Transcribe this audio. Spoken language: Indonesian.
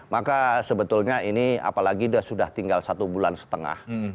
maka sebetulnya ini apalagi dia sudah tinggal satu bulan setengah